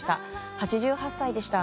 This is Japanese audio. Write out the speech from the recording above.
８８歳でした。